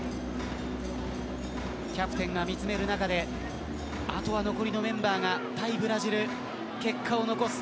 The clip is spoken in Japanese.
キャプテンが見詰める中であとは残りのメンバーが対ブラジルで結果を残す